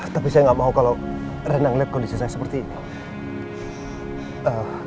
tapi saya nggak mau kalau rena ngeliat kondisi saya seperti ini